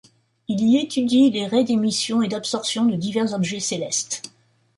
Il y étudie les raies d'émission et d'absorption de divers objets célestes.